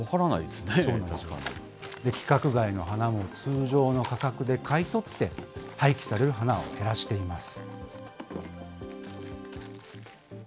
規格外の花も、通常の価格で買い取って、廃棄される花を減らしています。